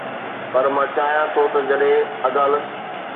پر مان چاهيان ٿو ته جڏهن عدالت